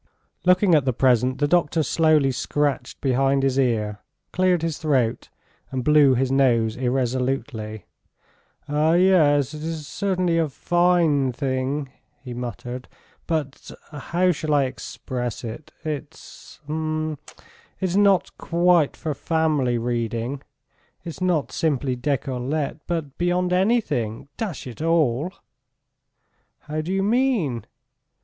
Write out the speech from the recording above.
Looking at the present, the doctor slowly scratched behind his ear, cleared his throat and blew his nose irresolutely. "Yes, it certainly is a fine thing," he muttered, "but ... how shall I express it? ... it's ... h'm ... it's not quite for family reading. It's not simply decolleté but beyond anything, dash it all. ..." "How do you mean?"